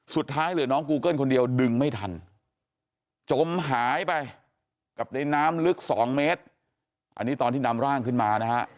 สุดท้ายเหลือน้องกูเกิ้ลคนเดียวดึงไม่ทันจมหายไปกับในน้ำลึก๒เมตรอันนี้ตอนที่นำร่างขึ้นมานะฮะ